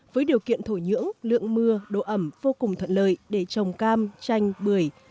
với điều kiện thổi nhưỡng lượng mưa đồ ẩm vô cùng thuận lợi để trồng cam chanh bưởi